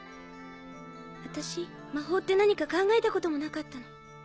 私魔法って何か考えたこともなかったの。